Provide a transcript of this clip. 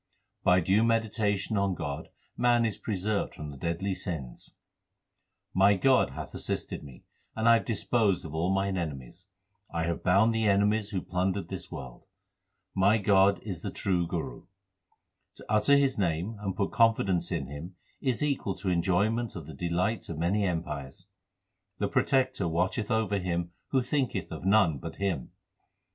By due meditation on God man is preserved from the deadly sins : My God hath assisted me, and I have disposed of all mine enemies. I have bound the enemies who plundered this world. My God is the True Guru. To utter His name and put confidence in Him is equal to enjoyment of the delights of many empires. The Protector watcheth over him who thinketh of none but Him.